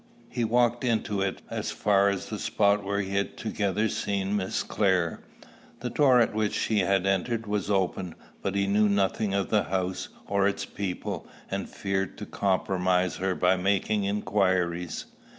He walked into it as far as the spot where we had together seen Miss Clare. The door at which she had entered was open; but he knew nothing of the house or its people, and feared to compromise her by making inquiries.